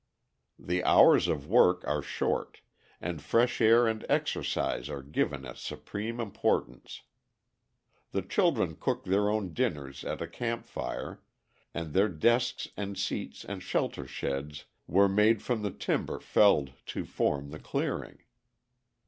The hours of work are short, and fresh air and exercise are given a supreme importance. The children cook their own dinners at a camp fire, and their desks and seats and shelter sheds were made from the timber felled to form the clearing.